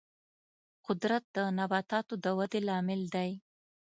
قدرت د نباتاتو د ودې لامل دی.